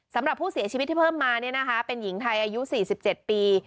สำหรับผู้เสียชีวิตที่เพิ่มมาเป็นหญิงไทยอายุ๔๗ปี